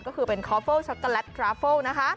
ก็คือเป็นคอฟเฟิลช็อตเตอร์แลตทราเฟิล